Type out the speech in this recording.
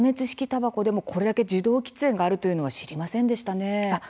たばこでもこれだけ受動喫煙があるというのは知りませんでしたね。